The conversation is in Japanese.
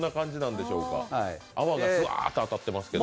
泡がバーッと当たってますけど。